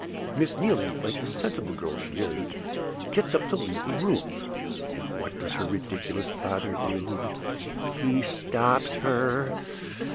Miss Neelie, like the sensible girl she is, gets up to leave the room; and what does her ridiculous father do? He stops her.